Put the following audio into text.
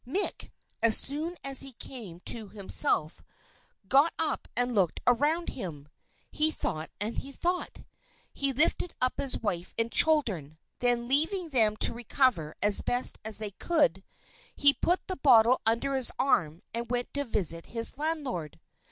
Mick, as soon as he came to himself, got up and looked around him. He thought and he thought. He lifted up his wife and children, then leaving them to recover as best they could, he put the bottle under his arm, and went to visit his landlord.